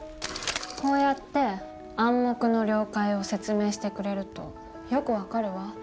こうやって「暗黙の了解」を説明してくれるとよく分かるわ。